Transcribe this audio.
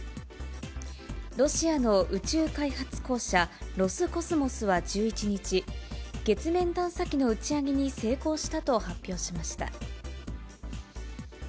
ロシアの宇宙開発公社、ロスコスモスは１１日、月面探査機の打ち上げに成功したと発表しました。